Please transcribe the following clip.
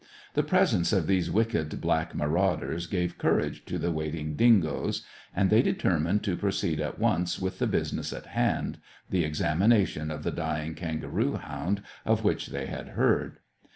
The presence of these wicked black marauders gave courage to the waiting dingoes, and they determined to proceed at once with the business in hand: the examination of the dying kangaroo hound of which they had heard.